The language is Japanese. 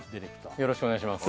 よろしくお願いします